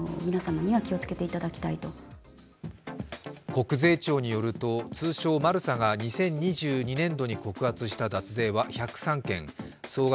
国税庁によると、通称・マルサが２０２２年度に告発した脱税は１０３件、総額